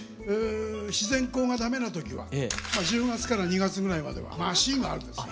自然光がダメな時は１０月から２月ぐらいまではマシーンがあるんですよ。